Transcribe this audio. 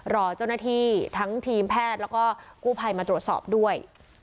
รอเจ้าหน้าที่ทั้งทีมแพทย์แล้วก็กู้ภัยมาตรวจสอบด้วย